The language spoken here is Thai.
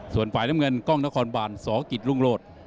ส่วนฝ่ายน้ำเงินกล้องนครบานสกิจรุ่งโลศ